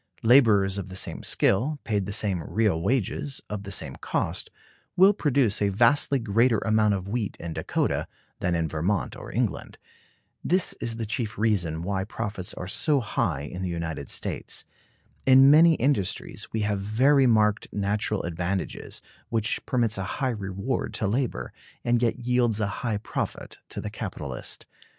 Laborers of the same skill, paid the same real wages, of the same cost, will produce a vastly greater amount of wheat in Dakota than in Vermont or England. This is the chief reason why profits are so high in the United States. In many industries we have very marked natural advantages, which permits a high reward to labor, and yet yields a high profit to the capitalist.